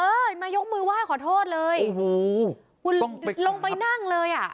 มายกมือไหว้ขอโทษเลยโอ้โหคุณลงไปนั่งเลยอ่ะ